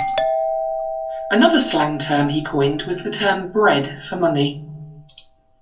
Another slang term he coined was the term "bread" for money.